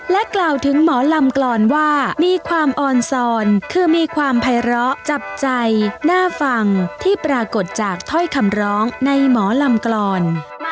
กล่าวถึงหมอลำกรอนว่ามีความออนซอนคือมีความภัยร้อจับใจน่าฟังที่ปรากฏจากถ้อยคำร้องในหมอลำกรอน